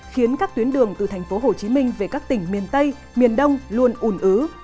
khiến các tuyến đường từ thành phố hồ chí minh về các tỉnh miền tây miền đông luôn ủn ứ